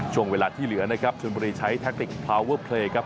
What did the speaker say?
ช่วงเวลาที่เหลือนะครับชนบุรีใช้ครับ